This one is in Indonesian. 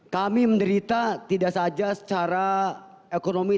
kami menderita tidak saja secara ekonomi